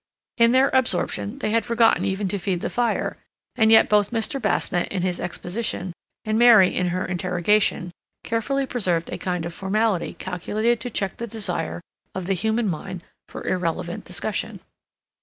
In their absorption they had forgotten even to feed the fire, and yet both Mr. Basnett in his exposition, and Mary in her interrogation, carefully preserved a kind of formality calculated to check the desire of the human mind for irrelevant discussion.